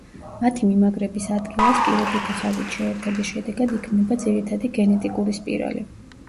მათი მიმაგრების ადგილას პირობითი ხაზით შეერთების შედეგად იქმნება ძირითადი გენეტიკური სპირალი.